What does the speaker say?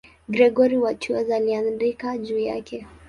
Gregori wa Tours aliandika juu yake.